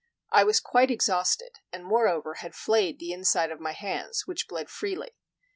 I was quite exhausted, and moreover had flayed the inside of my hands, which bled freely.